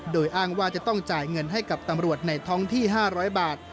โดยอ้างว่าจะต้องจ่ายเงินให้กับตำรวจในท้องที่๕๐๐บาท